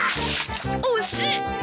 惜しい！